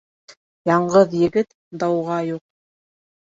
Яңғыҙ егет дауға юҡ.